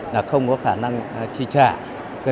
là không có khả năng chi trả